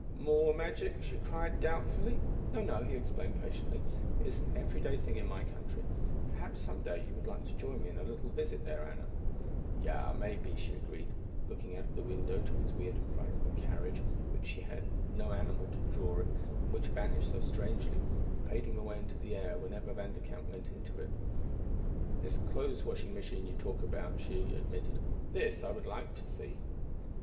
"_ "More magic," she cried doubtfully. _"No, no," he explained patiently. "It is an everyday thing in my country. Perhaps some day you would like to join me in a little visit there, Anna?"_ _"Ja, maybe," she agreed, looking out the window to his weird and frightening carriage, which had no animal to draw it and which vanished so strangely, fading away into the air, whenever Vanderkamp went into it. "This clothes washing machine you talk about," she admitted. "This I would like to see."